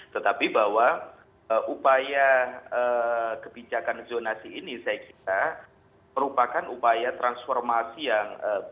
tetapi bahwa upaya kebijakan zonasi ini saya kira merupakan upaya transformasi yang baik